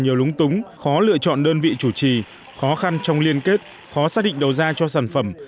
nhiều lúng túng khó lựa chọn đơn vị chủ trì khó khăn trong liên kết khó xác định đầu ra cho sản phẩm